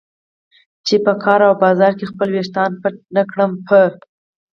چې په کار او بازار کې خپل ویښتان پټ نه کړم. په